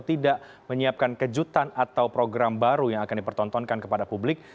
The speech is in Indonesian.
tidak menyiapkan kejutan atau program baru yang akan dipertontonkan kepada publik